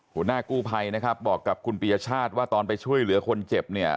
หัวหน้ากู้ภัยนะครับบอกกับคุณปียชาติว่าตอนไปช่วยเหลือคนเจ็บเนี่ย